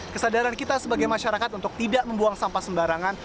kesadaran kita sebagai masyarakat untuk tidak membuang sampah sembarangan